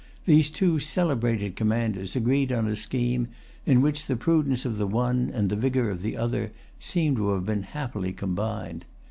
These two celebrated commanders agreed on a scheme, in which the prudence of the one and the vigor of the other seem to have been happily combined.